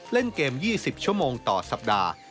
เล่นเกม๒๐ชั่วโมงต่อสัปดาห์